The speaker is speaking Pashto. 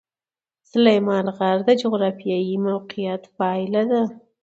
سلیمان غر د جغرافیایي موقیعت پایله ده.